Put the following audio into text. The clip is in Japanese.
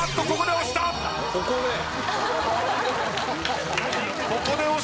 ・ここで。